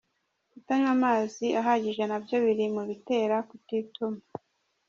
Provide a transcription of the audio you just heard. Kutanywa amazi ahagije nabyo biri mu bitera kutituma.